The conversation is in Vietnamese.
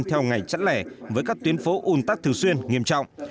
theo ngày chẳng lẻ với các tuyến phố ủn tắc thường xuyên nghiêm trọng